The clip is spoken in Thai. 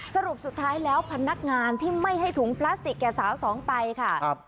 สรุปสุดท้ายแล้วพนักงานที่ไม่ให้ถุงพลาสติกแก่สาวสองไปค่ะ